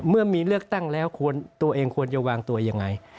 เมื่อมีเลือกตั้งแล้วตัวเองควรจะวางตัวยังไง